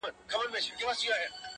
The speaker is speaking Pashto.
هر اندام یې د ښکلا په تول تللی-